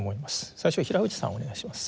最初平藤さんお願いします。